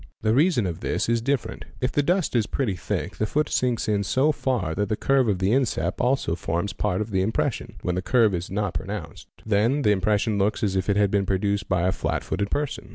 The reason of this is different. If the dust is pretty thick, the foot sinks in so far that the curve of the instep also forms 1 A Rd RAI FE , rt of the impression, when the curve is not pronounced. Then the pression looks as if it had been produced by a flat footed person.